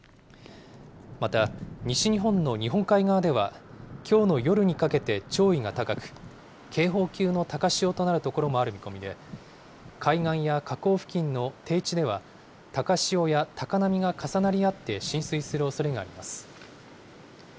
また、西日本の日本海側では、きょうの夜にかけて潮位が高く、警報級の高潮となる所もある見込みで、海岸や河口付近の低地では、高潮や高波が重なり合って浸水するおそれがあります。